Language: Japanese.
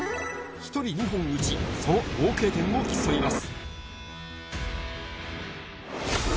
１人２本うち、その合計点を競います。